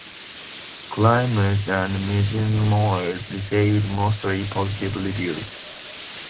"Crimes and Misdemeanors" received mostly positive reviews.